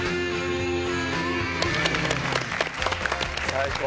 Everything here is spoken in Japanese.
最高。